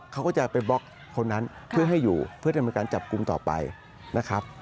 เขาก็จะไปบล็อกคนนั้นเพื่อให้อยู่เพื่อดำเนินการจับกลุ่มต่อไปนะครับ